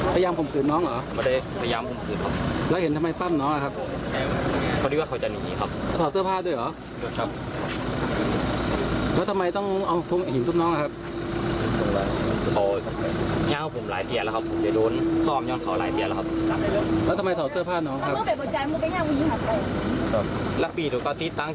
ตัวผู้ต้องหาไม่ใครจะตอบเรื่องของทำไมถอดเสื้อผ้าน้องนะคะ